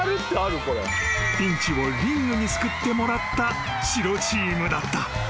［ピンチをリングに救ってもらった白チームだった］